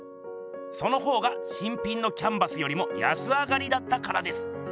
その方が新品のキャンバスよりも安上がりだったからです。